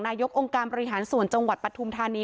นายกองการปลิหารสวนจังหวัดปัทุมธานี